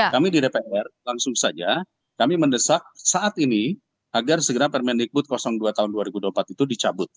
kami di dpr langsung saja kami mendesak saat ini agar segera permendikbud dua tahun dua ribu dua puluh empat itu dicabut